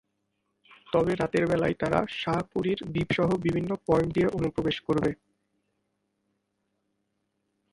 তবে রাতের বেলায় তারা শাহপরীর দ্বীপসহ বিভিন্ন পয়েন্ট দিয়ে অনুপ্রবেশ করবে।